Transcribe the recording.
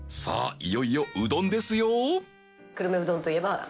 いよいようどんですよ